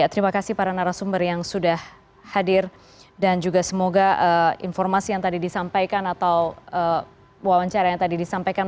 terima kasih para narasumber yang sudah hadir dan juga semoga informasi yang tadi disampaikan atau wawancara yang tadi disampaikan